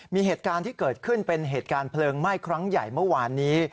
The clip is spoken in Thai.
มีเหตุการณ์ที่เกิดขึ้นเป็นเหตุการณ์เพลิงไหม้ครั้งใหญ่เมื่อวานนี้